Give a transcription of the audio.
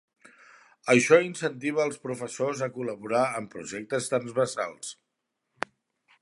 Això incentiva els professors a col·laborar en projectes transversals.